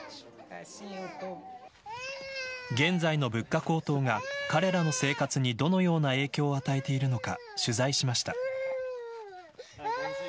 現在の物価高騰が彼らの生活にどのような影響を与えているのか取材しました。